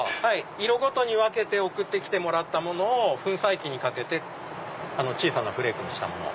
色ごとに分けて送って来てもらったものを粉砕機にかけて小さなフレークにしたもの。